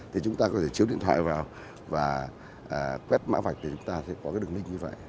thì chúng ta có thể chiếu điện thoại vào và quét mã vạch thì chúng ta sẽ có cái đường link như vậy